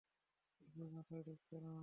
কিছুই মাথায় ঢুকছে না।